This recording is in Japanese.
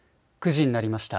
９時になりました。